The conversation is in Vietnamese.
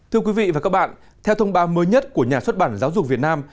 thưa quý vị và các bạn theo thông báo mới nhất của nhà xuất bản giáo dục việt nam